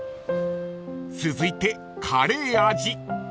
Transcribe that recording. ［続いてカレー味］